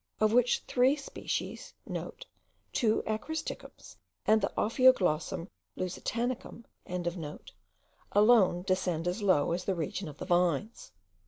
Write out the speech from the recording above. of which three species* (* Two Acrostichums and the Ophyoglossum lusitanicum.) alone descend as low as the region of the vines.